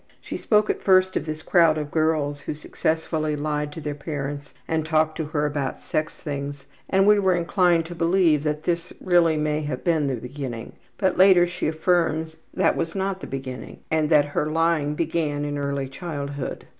She spoke at first of this crowd of girls who successfully lied to their parents and talked to her about sex things, and we are inclined to believe that this really may have been the beginning, but later she affirms this was not the beginning and that her lying began in earlier childhood.